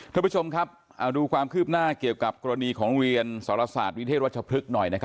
ท่านผู้ชมครับดูความคืบหน้าเกี่ยวกับกรณีของโรงเรียนสรษะวิเทศวรรษพฤกษ์หน่อยนะครับ